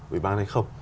ủy ban này không